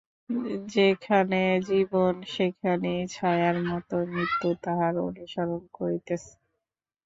যেখানে জীবন, সেইখানেই ছায়ার মত মৃত্যু তাহার অনুসরণ করিতেছে।